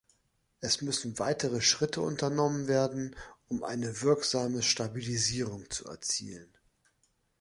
Es müssen weitere Schritte unternommen werden, um eine wirksame Stabilisierung zu erzielen.